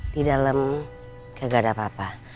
di dalam gak ada apa apa